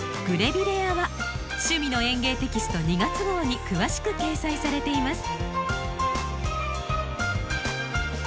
グレビレア」は「趣味の園芸」テキスト２月号に詳しく掲載されています。